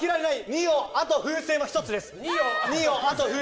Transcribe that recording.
二葉、あと風船は１つです。